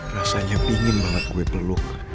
rasanya pingin banget kue peluk